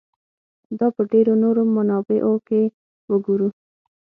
دا په ډېرو نورو منابعو کې وګورو.